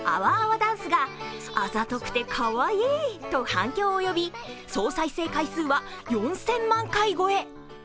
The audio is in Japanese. ダンスがあざとくてかわいいと反響を呼び総再生回数は４０００万回超え。